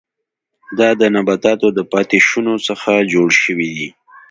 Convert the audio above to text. دا د نباتاتو د پاتې شونو څخه جوړ شوي دي.